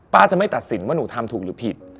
จะไม่ตัดสินว่าหนูทำถูกหรือผิด